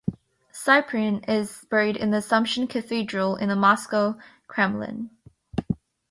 Cyprian is buried in the Assumption Cathedral in the Moscow Kremlin.